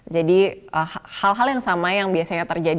jadi hal hal yang sama yang biasanya terjadi